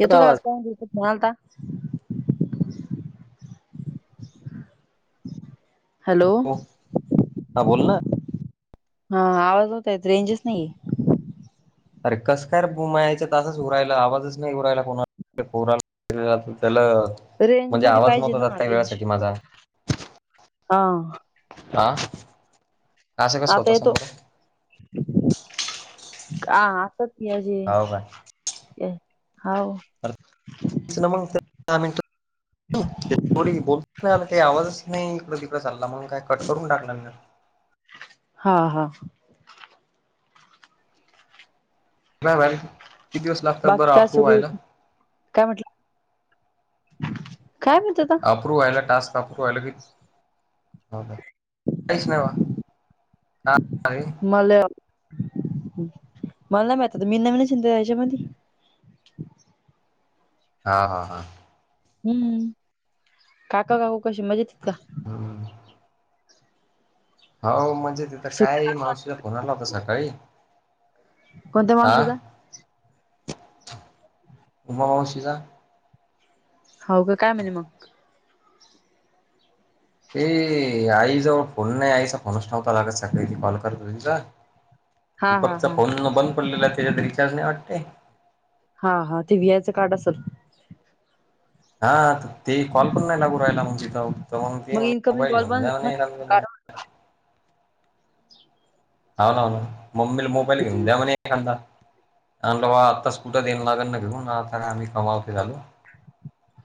येतो का आवज [unintelligible] म्हणालता हॅलो हो हा बोल ना. हा आवाज होतय रेंजच नाहीये. अरे कस काय बुमयचं तसंच उरायला आवाजच नाही उरायला कोणाला. पोराला दि [unintelligible] [inaudible] जात त्याला रेंज म्हणजे मध्ये आवाज पाहिजे नको ना जात काय रेंज वेळासाठी माझा. हा आ आता येतो का हो [unintelligible] हाव [inaudible] बोल नाही आला काही आवाजच नाही इकं तिकड चाला मग काय कट करून टाकला म. हा हा मॅम किती किती दिवस लागतात बाकी काय अप्रुव्ह सुरू व्हायला. आहे काय म्हटलं. काय [unintelligible] अप्रूव्ह व्हायला टास्क अप्रूव्ह व्हायला क काच नाहीवा का? मल मला मता महिना महिन शिंद रायच्या मली नाहा हा हा. हममम काका काकू कशे मजेत का हम्म. हो म्हणजे तिथ सु काय मावशीचा फोन आला होता सकाळी. कोणत्या आ मावशीचा उमा मवशीचा हो का काय म्हणे मग. ए आईजवळ फोन नाही आईचा फोनच लागत नव्हता सकाळी ती कॉल करत होती तिला हा हा दीपकचा हा फोन बंद पडलेला त्याच्यात रिचार्ज नाही वाटते. हा हा ते व्ही आयचं कार्ड असल. हा ते कॉल पण नाही लागू राहिला मग तिथं मग ते म्हणे इन्कमिंग मोबाईल कॉल घेऊन बंद जा झाला म्हणे ना नाव नाव नाव मम्मीला मोबाईल घेऊन द्या म्हणे एखादा आणि बाबा आत्ताच कुठं देयन लागल ना घेऊन आताच आम्ही कमावते झालो.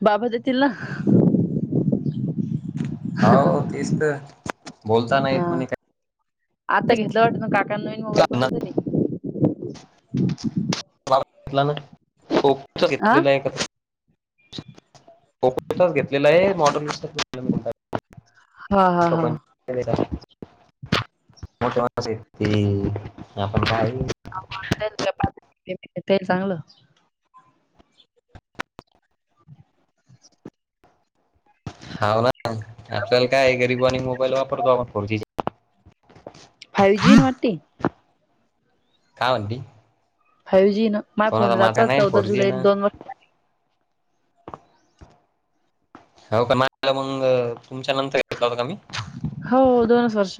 बाबा देतील ना. हो तेच तर बोलता नाहीत हा म्हणे काही? आता घेतलं वाटत ना काका नवीन मोबाईल बन होत नाही. घेतला नाप आ घेतलेला आहे का? घेतलेला आहे. हा हा हा मोठ माणस आपण काय ऑनलाईन प्रभात केल ते तरी चांगलं हा व ना आपल्याला काय गरीिबावानी मोबाईल वापरतो आपण फोरजी फाव जीन वाटती. काय म्हणती. फाव जी ना माय कोणाचा फोनला माझा जात नाही चौदा फोर जी जुलै एक ना दोन वर्ष. हो मग काल मग तुमच्या नंतर घेतला होता का मी हो दोनच वर्ष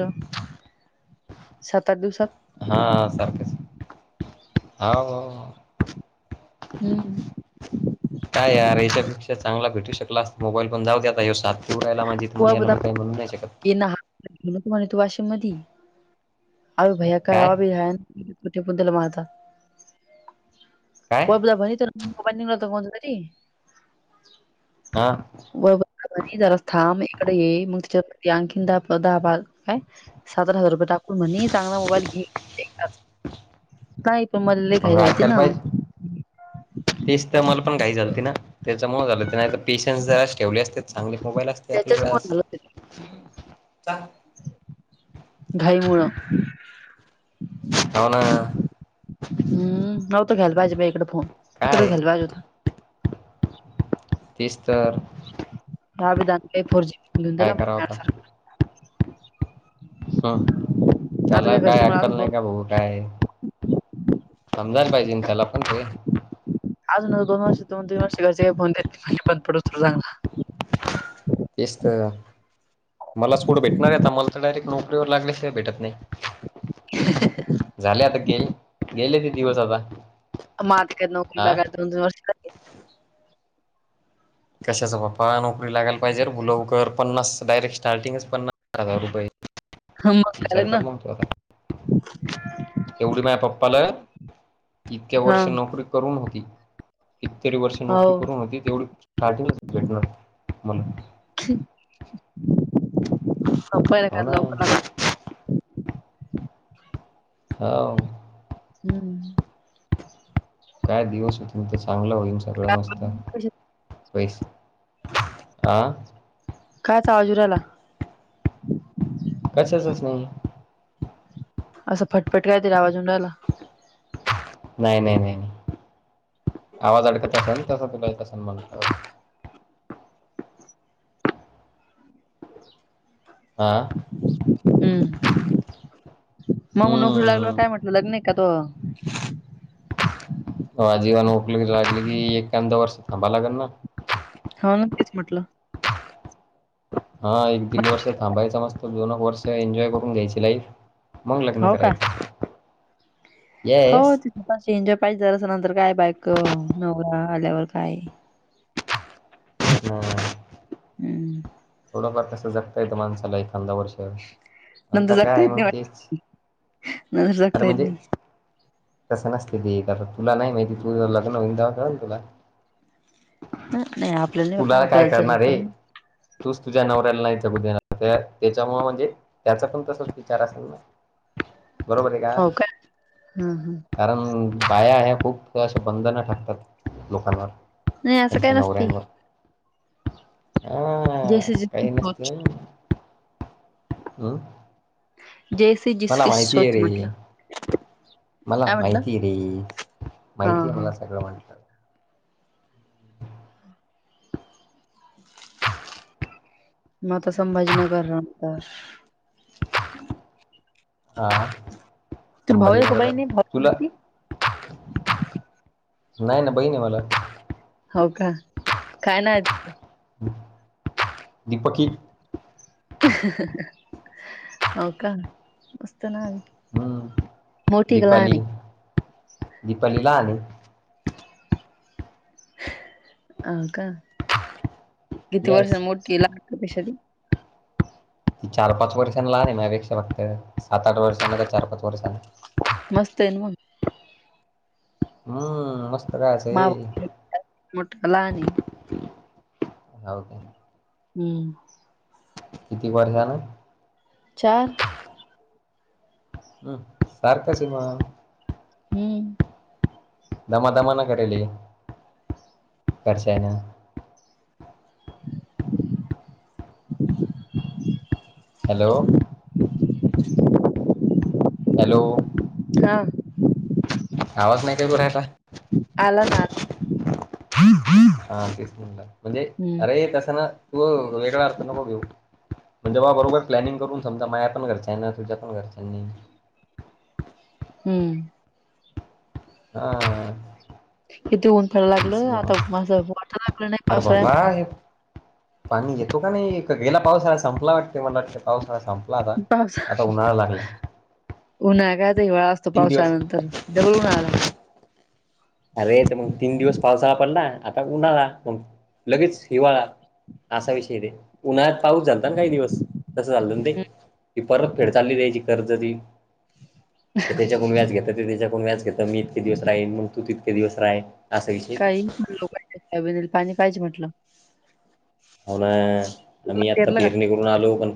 सात आठ दिवसात. हा सारखंच हा हो हो. हम्म, काय यार याच्यापेक्षा चांगला भेटू शकला अस मोबाईल पण जाऊदे आता यो सात देऊ राहिला माझी. तर त मग याला बा मी काही म्हणू नाही शकत ये तु्हा वाशीम मधी आग बया. काय कवाबी हाय कवाठे पुंदडल माता. काय ब बला भ तर निघ कोणता तरी हा व झाला जरा थांब इकडे ये मग तिच्या आणखीन दहा प बारा काय. सात हजार रूपय टाक मण म्हणे चांगला मोबाईल घे एकदाचा काय पण मल्ले लयघाई मग झालते ऐकायला ना. पाहिजे तेच तर मला पण घाई झालती ना त्याचा मुळ झालं ते पेशन्स जरा ठेवली असते. चांगले मोबाईल असते त्याच्याच आपल्याकडे मुळे आज झालं घाईमुळं. हवना. हम् नवतं घ्यायला पाहिजे बाय इकडे फोन तिकडच काय घ्यायला पाहिजे होता. तेच तर या विधान का फोर जी धंधुला काय कराव आता मिनासारख ह आता त्याला काय घरचे मला अजून आकल दोन नाही का भाऊ काय. समजायला पाहिजेन त्याला पण ते अजून दोन वर्ष दोन तीन वर्षाचे जिओ फोन बंद पडल चांगला तेच तर मलाच पुढं भेटणार आहे आता मला तर डायरेक्ट नोकरी नोकरी वर लागल्या शिवाय भेटत नाही. झाले आता गेल गेले ते दिवस आता मा काय नकल हा लागय वर्ष. लागले कशाचा बाप्पा नोकरी लागाला पाहिजे भाऊं लवकर पन्नास डायरेक्ट स्टार्टिंगच पन्नास हजार रुपये ह मग काय विचार कर लग्न मंग तू आता येवढी माया पप्पाला इतक्या हा वर्ष नोकरी करून होती. कितीतरी वर्षे हो नोकरी करून होती तेवढी स्टार्टिंगच भेटणार मला संपायला का हो आज ना लवकर आलोत हाव. हम्म काय दिवस होतील तर चांगला होईन सगळं मस्त पैसे आं काआचा आवाज येऊ राहिला कशाचाच नाही. असं फटफट काय तरी आवाज येऊन रायला. नाय नाय नाय नाय आवाज अडकत असन तसा तुला येत असण म्हंटल्यावर आ हम्म मंग नोकरी लागल्यावर हम्म काय म्हटलं लग्न हाय का तूअ अजीवान ओखले [unintelligible] की एखाद वर्ष थांबायला लागल ना हा ना तेच म्हटलं हा एक दीड वर्ष थांबायचा मस्त दोनक वर्ष एन्जॉय करून घ्यायची लाईफ मंग लग्न हो का करायचं. हो येस तिथे पाशी एन्जॉय पायज जरासं नंतर काय बायको नवरा आल्यावर काय हा हम्म थोडंफार कसं जगता येतं माणसाला एखादा वर्ष नंतर काय आहे मंग तेच नाय अरे जगता येत म्हणजे नी तसं नसते ते आता तुला नाय माहिती तुझ लग्न होईनं तवा कळण तुला हं नाही आपल्याला नाही बाबा तुला काय आपल्याला तर करणार ये टाईम तूच तुझ्या नवऱ्याला नाय जगू देणार ते त्याच्यामुळ म्हणजे त्याचा पण तसच विचार असल [unintelligible] बरोबर ये का? हं हं कारण बाया हया खूप अस बंधन टाकतात लोकांवर नाही असं त्यांच्या काय नसते. नवऱ्यांवर अ हा जैसे जिसकी काही नसते सोच मंग हं जैस जिसकी सोच म्हटलं मला काय म्हटलं? माहिती रे स हा माहिती ये हा मला सगळं म्हंट म आता संभाजीनगर राता आ तुला भाऊ आहे का संभाजीनगरला बहीण आहे भाऊ आहे तुला म्हणती? नाय ना बहीनं ये मला हाव का काय नाव तीच दीपकी हो का मस्त नाव ये हम्म दिपाली दिपाली लहान ये अ का किती वर्ष येस मोठी लाक पेक्षा ती ती चार पाच वर्षांन लहान हाय माया पेक्षा वाटत सात आठ वर्षांनी का चार पाच वर्षांन मस्त ये न मंग हां मस्त काय असं [unintelligible] हे हो मोठ लहानं ये. हाव काय हम्म किती वर्षान चार हम् सारख सिमा हम्म. दमा दमा न करेली खश आहे ना. [unintelligible] हॅलो. [unintelligible] हॅलो हा आवाज नाही काय तो रायचा. आला ना. हा तेच म्हटलं म्हणजे हम्म अरे तसं ना. तू वेगळा अर्थ नको घेऊ. म्हणजे बा बरोबर प्लॅि करून समजा माया पणरच्यां आहे तझ्या पण घरच्यां नाही. हम्म. हम. किती ऊन पेयला लागलं आता माझ मोट लागलं नाही. अरे पावसाळ्या बाबा म्हणून हे पाणी येतो का नाही गेला पावसाला संपला वाटतें मला वाटतं. पाऊसा संपला आता आता उन्हाळा लागला. उन्हा कायत हिेळा असतो तीन दिवस पावसाळनंतर डबल उन्हाला लागला. अरे तर मग तीन दिवस पावसाळा पडला आता उन्हाळा मग लगेच हिवाळा असा विषय ते उन्हाळ्यात पाऊस झाचालत ना काही दिवस तसं चाललं ना ते ती परत फेड चालली द्यायची कर्ज त. ज त्याच्याकून व्याज घेतं ते त्याच्याकून व्याज घेत मी इतके दिवस राहीन मग तू ततके दिवस राही. काही लोक पाणी पाहिच म्हंटलं. हो ना आम्ही आत्ता पेरणी करून आलो पण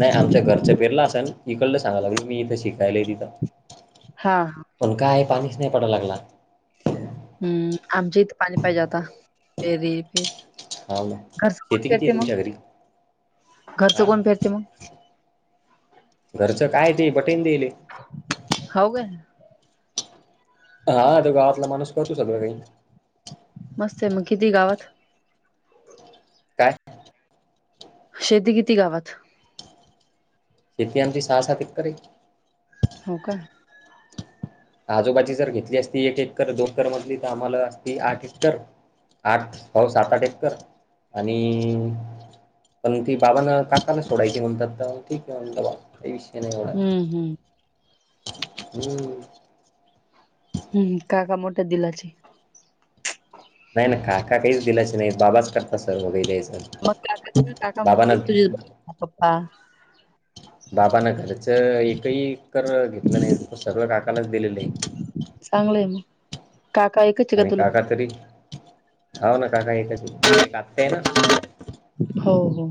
नाही आमच्या घरच्या पेरला असेल इकडलं सांगाला मी इथे शिकायला आहे तिथं. हा पण काय पाणीच नाही पडाव लागला. हम्म आमच्या इथं पाणी पाहिजे आाता फेरी फेरी हा ना शेती किती आहे तुमच्या घरी घरचं हा कोण फिरते मग घरचं काय ते बटन देली. हो का? हा तो गावातला माणूस करतू सगळ काही मस्त मग किती गावात? काय? शेती किती गावा शेती आची सा सा तच करायची. हो का. आजूबाजी जर घेतली असती एक एकर दोन कर मधली तर आम्हाला अस आठ एक्कर आठ पाऊसात आठ एककर आणि पण ती बाबाांना काकाला सोडायची म्हणतात ते कि म्हणत बाबा काही विषय नाही डाय. हम्म हम्म हम्म. हम्म काका मोठ्या दिलाची. नाही ना काका काही दिलाच नाही बाबाच करत सर मु द्यायचं. मग काकाच म काका म्हणत बाबानं तुझ पप्पा बाबाना घरचं एकही कर घेतलं नाही सर्व काकालाच दिलेलं आहे. चांगलंय मग काका ऐकच आहे का तुला? तरी होा ना काका एकच टगतेय ना. हो हो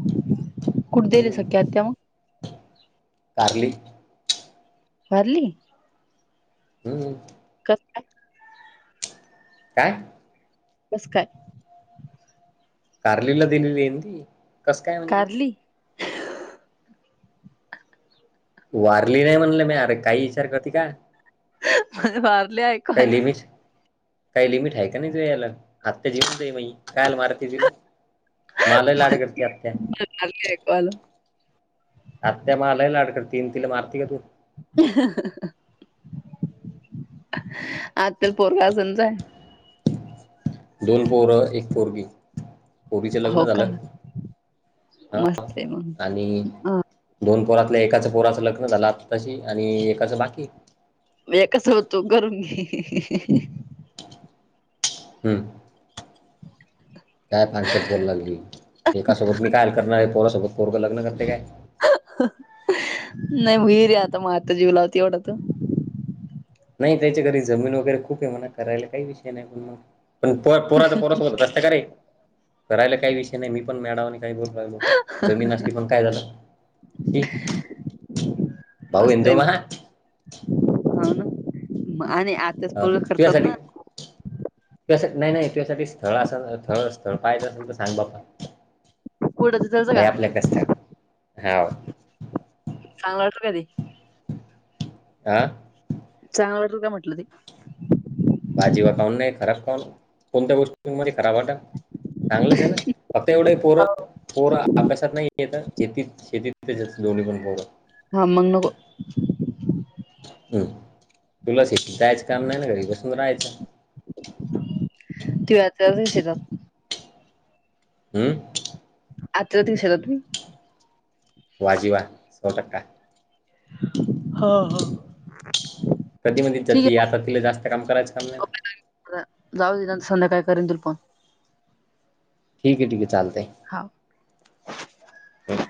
कुठे गले सग्या आ त्या मग कार्ली पारली हम् कस. काय? नमस्कार! कार्लीला दिलेली आहे कसं काय म्हणजे? कारली वारली नाही म्हणल मी अरे काही विचार करती का? म्हझ मारले काही ऐकवायला. लिमिट काही लिमिट आहे का नाही तू यायला आत्ता जिवन जा म कायल मारती तिला. मलाही लाड करते आत्या. ऐकू आलं. आ्या मलाय ला अडकड तीन तिला मारती का तू? आज त्या पोरलाजमजाय. दोन पोरं, एक पोरगी. पोरीच लग्न हो का झालं हा मस्त आहे मग आणि हा दोन पोरातलं एकाचं पोराचं लग्न झालं आत्ताशी आणि एकाचं बाकी म्हणजे कसं होतो करून घे. हम्म. काय पाचंठ बोला लागली एकासोबत मी काय करणार आहे पोरासोबत पोरं लग्न करते काय? नाही भरी आता म आता जीव लावती एवढं त नाही त्याच्या घरी जमीन वगैरे खूप आहे म्हणा करायला काही विषय नाही पण मग. पण पो पोराचा पोरसत असता काे करायला काही विषय नाही मी पण मळा. का ब लागल जमीन पण काय झाल कि भाऊ इिंदु महा हा ना आणि आ हा तू यासाठी नाही नाही त्यासाठी स्थळ अस स्थळ कायच असेल तर सांग बघा. कुठं तिथलच हे का आपल्या कचत हा चांगलं वाटर काधी आह चांगला वाटल काय म्हटलं ते भाजीवा कान नाही खराब कान कोणत्या गोष्टीमध्ये खराब वाटाल. चांगलंच आहे ना फक्त एवढं पोर हो पोरं अभ्यासात नाही येत. शेतीत शेतीत लोणी पण हा मग पोरत. नको हम्म तुला श जायचं काम नाही ना घरी बसून राहायचं. हो दिसात- हम्म. आज त शला तु्ही वाजवा स टका ह ह. कधी म्हध जात आता तिला जास्त काम करायचं काम नाही. जाऊ दे त्यां संध्या काय करेन त पण. ठीक आहे ठीक चालत आहे. हा. हम.